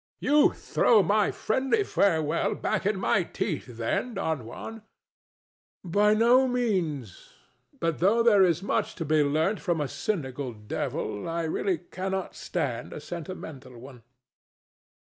THE DEVIL. [angrily] You throw my friendly farewell back in my teeth, then, Don Juan? DON JUAN. By no means. But though there is much to be learnt from a cynical devil, I really cannot stand a sentimental one.